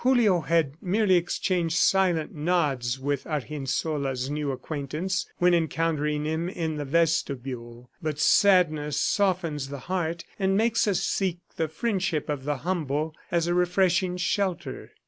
Julio had merely exchanged silent nods with Argensola's new acquaintance when encountering him in the vestibule; but sadness softens the heart and makes us seek the friendship of the humble as a refreshing shelter.